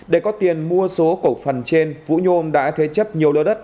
để có tiền mua số cổ phần trên vũ nhôm đã thế chấp nhiều lơ đất